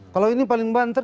kalau ini paling banter